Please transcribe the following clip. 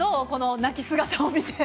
泣き姿を見て。